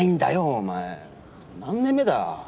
お前何年目だ。